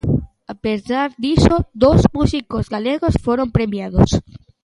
A pesar diso, dous músicos galegos foron premiados.